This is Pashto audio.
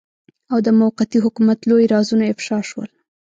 او د موقتي حکومت لوی رازونه افشاء شول.